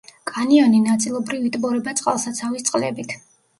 კანიონი ნაწილობრივ იტბორება წყალსაცავის წყლებით.